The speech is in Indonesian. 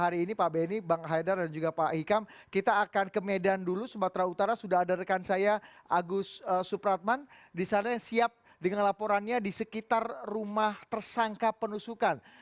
agus supratman disana siap dengan laporannya di sekitar rumah tersangka penusukan